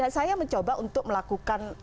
saya mencoba untuk melakukan